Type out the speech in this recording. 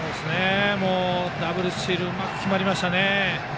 ダブルスチールうまく決まりましたね。